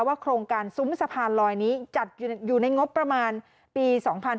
โครงการซุ้มสะพานลอยนี้จัดอยู่ในงบประมาณปี๒๕๕๙